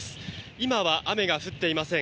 今は雨が降っていません。